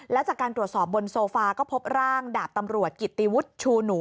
และจากการตรวจสอบบนโซฟาก็พบร่างดาบตำรวจกิติวุฒิชูหนู